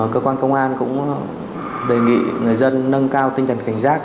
cơ quan công an cũng đề nghị người dân nâng cao tinh thần cảnh giác